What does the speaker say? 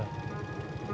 saya gak ngejar